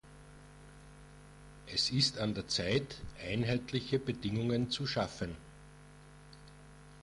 Es ist an der Zeit, einheitliche Bedingungen zu schaffen.